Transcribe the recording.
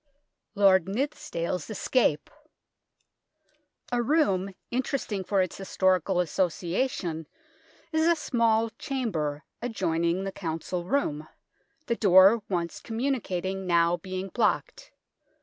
LORD NITHSD ALE'S ESCAPE A room interesting for its historical associa tion is a small chamber adjoining the Council Room, the door once communicating now being blocked.